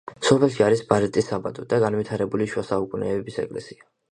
სოფელში არის ბარიტის საბადო და განვითარებული შუა საუკუნეების ეკლესია.